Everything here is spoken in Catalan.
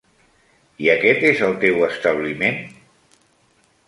I aquest és el teu establiment?